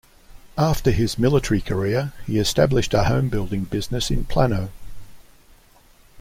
After his military career, he established a homebuilding business in Plano.